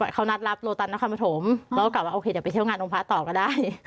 เขานัดรับโลตันนครปฐมแล้วก็กลับว่าโอเคเดี๋ยวไปเที่ยวงานองค์พระต่อก็ได้